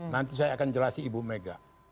nanti saya akan jelasi ibu mega